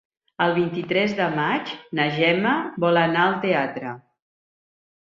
El vint-i-tres de maig na Gemma vol anar al teatre.